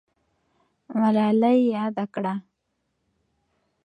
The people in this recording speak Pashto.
ملالۍ یاده کړه.